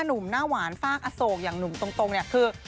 หนุ่มหน้าหวานฟากอโศกอย่างหนุ่มตรงเนี่ยคือ